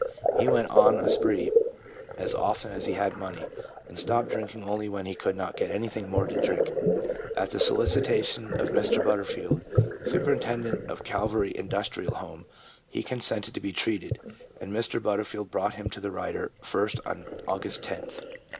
He went on a spree as often as he had money, and stopped drinking only when he could not get anything more to drink. At the solicitation of Mr. Butterfield, Superintendent of Calvary Industrial Home, he consented to be treated, and Mr. Butterfield brought him to the writer first on August 10th.